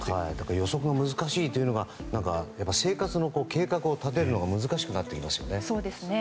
予測が難しいというのが生活の計画を立てるのが難しくなってきますよね。